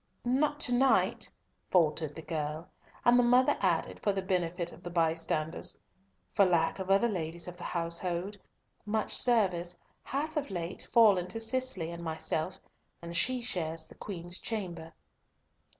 "Not to night," faltered the girl, and the mother added, for the benefit of the bystanders, "For lack of other ladies of the household, much service hath of late fallen to Cicely and myself, and she shares the Queen's chamber."